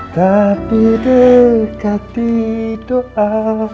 tapi dekat di doa